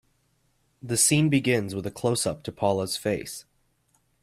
The scene begins with a closeup to Paula's face.